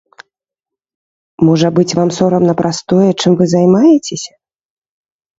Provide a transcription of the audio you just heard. Можа быць, вам сорамна праз тое, чым вы займаецеся?